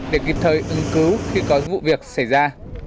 để kịp thời ứng cứu khi có vụ việc xảy ra